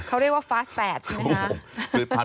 เขาเรียกว่าฟาสแฝดใช่ไหมคะ